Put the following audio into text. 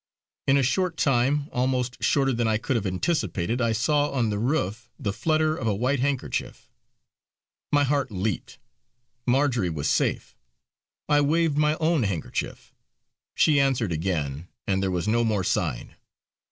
In a short time, almost shorter than I could have anticipated, I saw on the roof the flutter of a white handkerchief. My heart leaped; Marjory was safe. I waved my own handkerchief; she answered again, and there was no more sign.